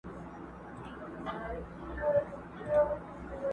خپل اولاد وږي زمري ته په خوله ورکړم٫